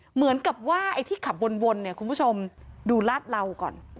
เหมือนกับว่าไอ้ที่ขับวนเนี่ยคุณผู้ชมดูลาดเหลาก่อน